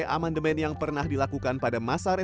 aman demand yang pernah dilakukan pada masa referensi